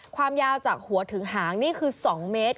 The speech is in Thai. ความยาวจากหัวถึงหางนี่คือ๒เมตร